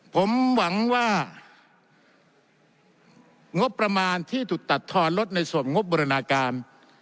ผมหวังว่างบประมาณที่ถูกตัดทอนลดในส่วนงบบรินาการ